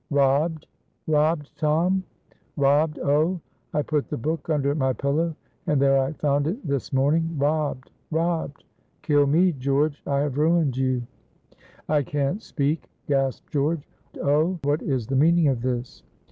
"Robbed!" "Robbed, Tom?" "Robbed! oh! I put the book under my pillow, and there I found it this morning. Robbed! robbed! Kill me, George, I have ruined you." "I can't speak," gasped George. "Oh, what is the meaning of this?"